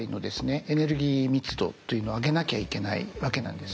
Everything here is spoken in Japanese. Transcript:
エネルギー密度というのを上げなきゃいけないわけなんですね。